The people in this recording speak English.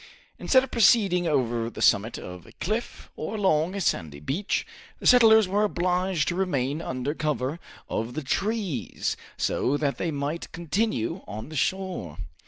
Instead of proceeding over the summit of a cliff or along a sandy beach, the settlers were obliged to remain under cover of the trees so that they might continue on the shore.